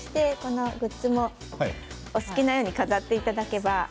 グッズもお好きなように飾っていただければ。